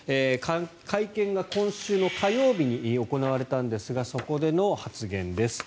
会見が今週火曜日に行われたんですがそこでの発言です。